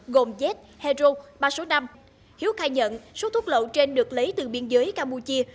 gồm z hedro ba số năm hiếu khai nhận số thuốc lậu trên được lấy từ biên giới campuchia